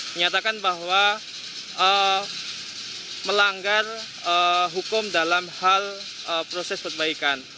menyatakan bahwa melanggar hukum dalam hal proses perbaikan